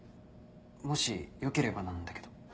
もしよければなんだけど。